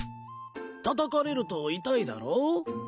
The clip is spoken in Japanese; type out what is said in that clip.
たたかれると痛いだろ？